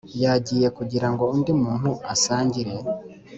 yagiye kugirango undi muntu asangire